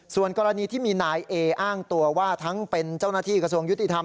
ส่วนกรณีที่มีนายเออ้างตัวว่าทั้งเป็นเจ้าหน้าที่กระทรวงยุติธรรม